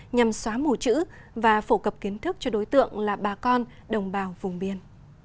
nhằm xóa mù chữ và phổ cập kiến thức cho đối tượng là bà con đồng bào vùng biên